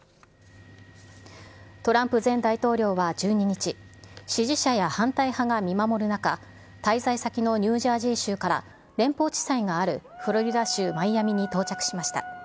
トランプ前大統領は１２日、支持者や反対派が見守る中、滞在先のニュージャージー州から連邦地裁があるフロリダ州マイアミに到着しました。